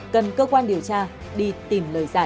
cần cơ quan điều tra đi tìm lời giải